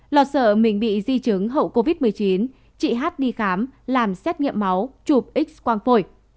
lo sợ mình bị di chứng hậu covid một mươi chín chị hát đi khám làm xét nghiệm máu chụp x quang phổi